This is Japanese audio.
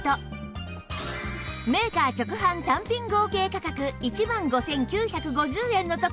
メーカー直販単品合計価格１万５９５０円のところ